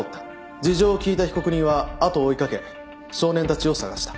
事情を聞いた被告人は後を追い掛け少年たちを捜した。